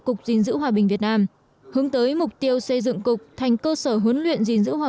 cục gìn giữ hòa bình việt nam hướng tới mục tiêu xây dựng cục thành cơ sở huấn luyện gìn giữ hòa